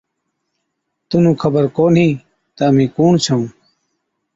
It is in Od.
تنُون خبر ڪونهِي تہ اَمهِين ڪُوڻ ڇَئُون؟